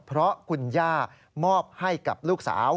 เพราะคุณย่ามอบให้กับลูกสาว